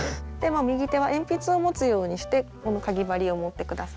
右手は鉛筆を持つようにしてかぎ針を持って下さい。